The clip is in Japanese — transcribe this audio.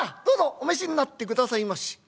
どうぞお召しになってくださいまし」。